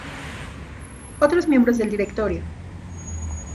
Otros miembros del Directorio.